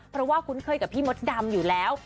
เพราะว่าคุ้นเคยกับพี่มดดำอยู่แล้ว